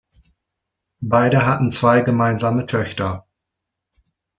Beide hatten zwei gemeinsame Töchter.